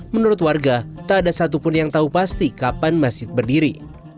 menurut warga tak ada satupun yang tahu pasti kapan masjid berdiri